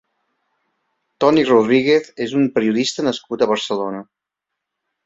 Toni Rodríguez és un periodista nascut a Barcelona.